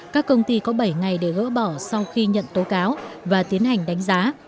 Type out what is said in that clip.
các công ty có bảy ngày để gỡ bỏ sau khi nhận tố cáo và tiến hành đánh giá